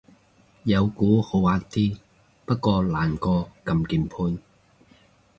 有鼓好玩啲，不過難過撳鍵盤